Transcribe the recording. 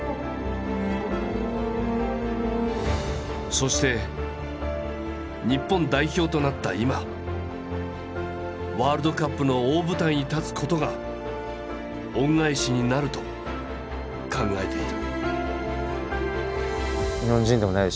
そして日本代表となった今ワールドカップの大舞台に立つことが恩返しになると考えている。